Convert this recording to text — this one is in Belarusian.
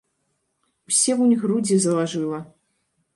Усе вунь грудзі залажыла.